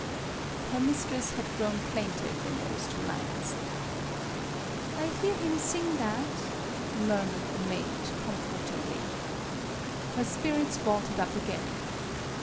" Her mistress had grown plaintive in those two lines. "I hear him sing that," murmured the maid, comfortingly. Her spirits vaulted up again.